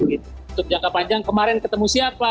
untuk jangka panjang kemarin ketemu siapa